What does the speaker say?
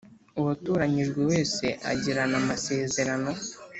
Uwatoranyijwe wese agirana amasezerano